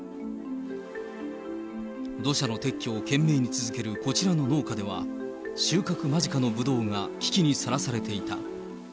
土砂の撤去を懸命に続けるこちらの農家では、収穫間近のブドウが危機にさらされていた。